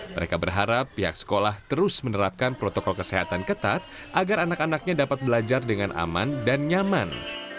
mereka berharap pihak sekolah terus menerapkan protokol kesehatan ketat agar anak anaknya dapat belajar dengan aman dan nyaman